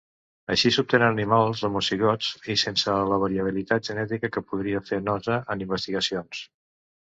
Així s'obtenen animals homozigots i sense la variabilitat genètica que podria fer nosa en investigacions.